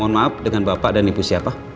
mohon maaf dengan bapak dan ibu siapa